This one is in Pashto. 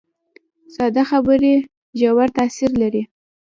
ساده خبرې ژور تاثیر لري